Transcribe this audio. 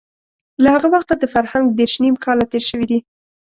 له هغه وخته د فرهنګ دېرش نيم کاله تېر شوي دي.